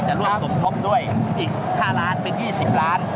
จะร่วมสมทบด้วยอีก๕ล้านบาทเป็น๒๐ล้านบาท